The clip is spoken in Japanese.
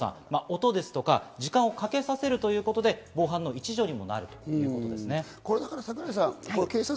音とか時間をかけさせるということで防犯の一助にもなるんですね。